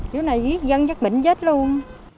chứ này giết dân chắc bệnh chết luôn